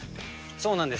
そうなんです。